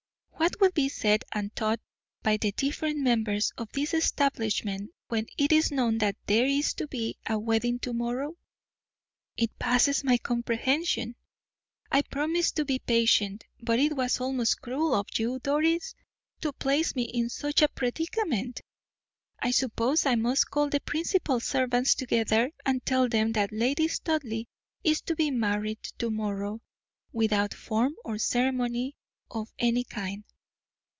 What will be said and thought by the different members of this establishment when it is known that there is to be a wedding to morrow? It passes my comprehension. I promised to be patient, but it was almost cruel of you, Doris, to place me in such a predicament. I suppose I must call the principal servants together and tell them that Lady Studleigh is to be married to morrow, without form or ceremony of any kind.